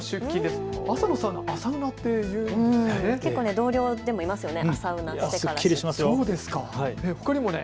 同僚でもいますよね。